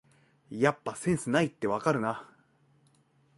やっぱセンスないってわかるな